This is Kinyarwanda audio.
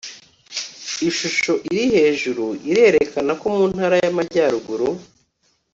Ishusho iri hejuru irerekana ko mu ntara yamajyaruguru